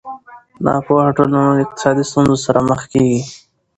ناپوهه ټولنه له اقتصادي ستونزو سره مخ کېږي.